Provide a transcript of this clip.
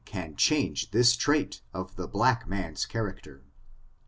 186 8 change this trait of the black man's character.